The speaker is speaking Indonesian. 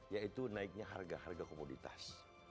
yaitu naiknya harga harga komoditas